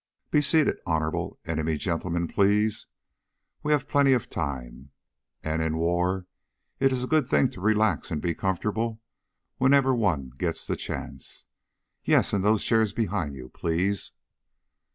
"Be seated, Honorable Enemy Gentlemen, please. We have plenty of time. And in war it is a good thing to relax and be comfortable whenever one gets the chance. Yes, in those chairs behind you, please."